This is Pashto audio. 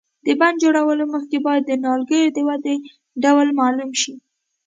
د بڼ جوړولو مخکې باید د نیالګیو د ودې ډول معلوم شي.